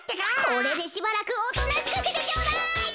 これでしばらくおとなしくしててちょうだい。